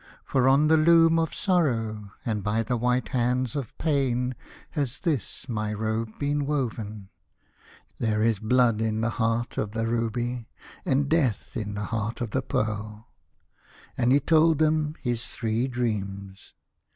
For on the loom of Sorrow, and by the white hands of Pain, has this my robe been woven. There is Blood in the heart of the ruby, and Death 18 The Young King. in the heart of the pearl." And he told them his three dreams.